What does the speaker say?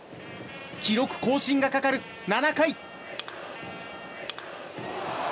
記録更新がかかる７回。